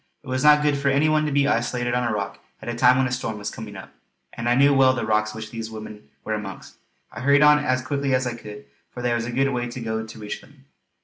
It was not good for any one to be isolated on a rock at a time when a storm was coming up; and I knew well the rocks which these women were amongst. I hurried on as quickly as I could, for there was a good way to go to reach them.